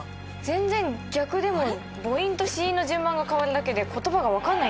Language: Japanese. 全然逆でも母音と子音の順番が変わるだけで言葉が分かんないんですね。